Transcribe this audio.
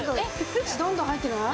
どんどん入ってない？